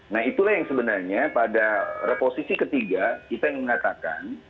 nah itulah yang sebenarnya pada reposisi ketiga kita ingin mengatakan